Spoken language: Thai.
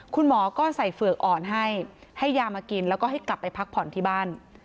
คุณหมอก็ใส่เฝือกอ่อนให้ให้ยามากินแล้วก็ให้กลับไปพักผ่อนที่บ้าน